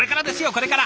これから！